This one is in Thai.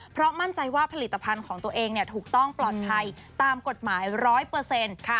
เพราะมั่นใจว่าผลิตภัณฑ์ของตัวเองถูกต้องปลอดภัยตามกฎหมาย๑๐๐ค่ะ